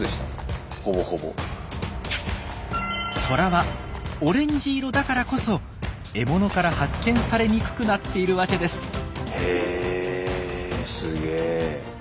トラはオレンジ色だからこそ獲物から発見されにくくなっているわけです。